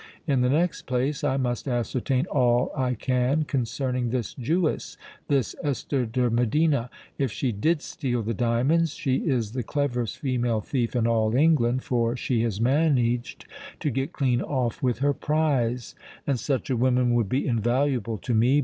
In the next place I must ascertain all I can concerning this Jewess—this Esther de Medina. If she did steal the diamonds, she is the cleverest female thief in all England—for she has managed to get clean off with her prize; and such a woman would be invaluable to me.